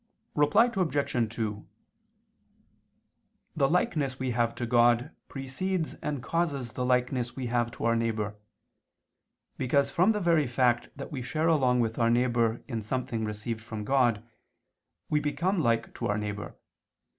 Reply Obj. 2: The likeness we have to God precedes and causes the likeness we have to our neighbor: because from the very fact that we share along with our neighbor in something received from God, we become like to our neighbor.